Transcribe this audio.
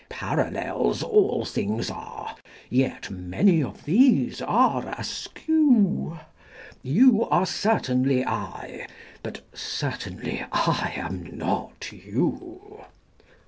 Parallels all things are: yet many of these are askew: You are certainly I: but certainly I am not you.